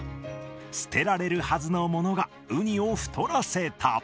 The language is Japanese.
捨てられるはずのものがウニを太らせた。